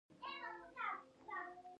د لمر وړانګې تودوخه لوړوي.